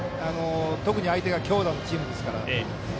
特に相手が強打のチームですから。